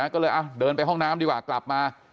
ก็เลยเดินไปห้องน้ำดีกว่ากลับมา